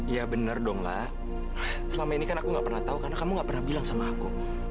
ya bener dong lah selama ini kan aku gak pernah tahu karena kamu gak pernah bilang sama aku